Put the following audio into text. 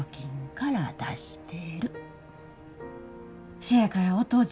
せやからお父ちゃん